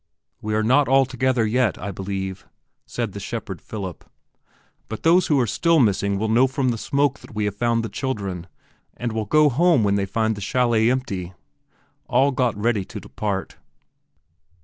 "We are not all together yet, I believe," said the shepherd Philip, "but those who are still missing will know from the smoke that we have found the children and will go home when they find the chalet empty." All got ready to depart.